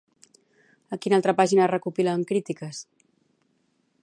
A quina altra pàgina es recopilen crítiques?